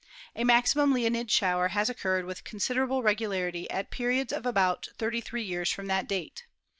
A maximum Leonid shower has occurred with considerable regularity at periods of about 33 years from that date.